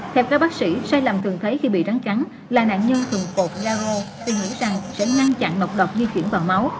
thật ra bác sĩ sai lầm thường thấy khi bị rắn cắn là nạn nhân thường cột da rô suy nghĩ rằng sẽ ngăn chặn độc độc di chuyển vào máu